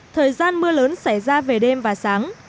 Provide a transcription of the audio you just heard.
thời gian mưa lớn xảy ra về đêm và sáng